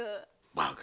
バカ！